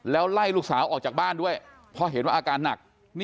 แล้วไล่ลูกสาวออกจากบ้านด้วยเพราะเห็นว่าอาการหนัก